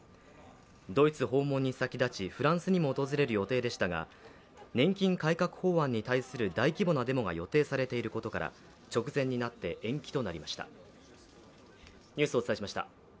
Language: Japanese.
ドイツ訪問に先立ちフランスにも訪れる予定でしたが年金改革法案に対する大規模なデモが予定されていることから直前になって延期となりました。